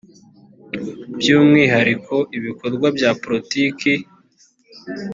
byu umwihariko ibikorwa bya politiki